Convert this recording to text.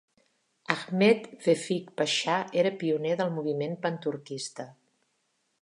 Ahmed Vefik Pasha era pioner del moviment panturquista.